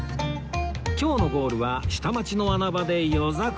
今日のゴールは下町の穴場で夜桜